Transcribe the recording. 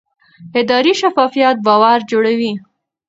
اداري شفافیت باور جوړوي